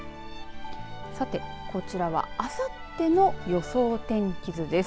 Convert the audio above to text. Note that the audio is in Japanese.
さて、こちらはあさっての予想天気図です。